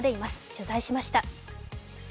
取材しました。